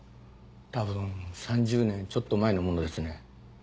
たぶん３０年ちょっと前のものですね。